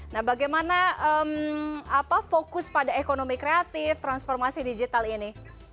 nah bagaimana fokus pada ekonomi kreatif transformasi digital ini